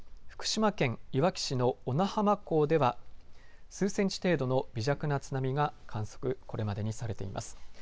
福島県いわき市の小名浜港では数センチ程度の微弱な津波が観測これまでにされています。